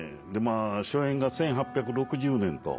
初演が１８６０年と。